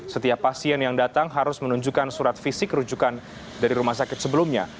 setiap pasien yang datang harus menunjukkan surat fisik rujukan dari rumah sakit sebelumnya